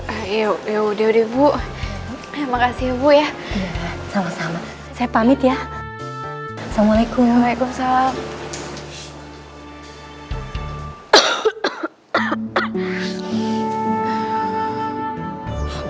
eh yuk yaudah ibu ya makasih ya bu ya sama sama saya pamit ya assalamualaikum waalaikumsalam